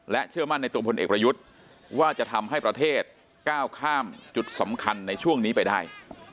เชื่อมั่นในตัวพลเอกประยุทธ์ว่าจะทำให้ประเทศก้าวข้ามจุดสำคัญในช่วงนี้ไปได้